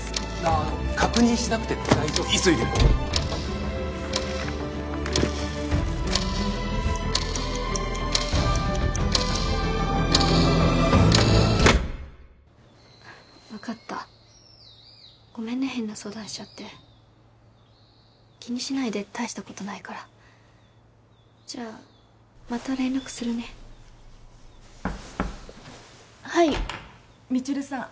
あの確認しなくて大丈夫急いでるんで分かったごめんね変な相談しちゃって気にしないで大したことないからじゃあまた連絡するねはい未知留さん